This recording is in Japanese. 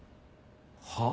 はあ？